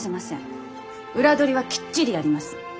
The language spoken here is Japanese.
裏取りはきっちりやります。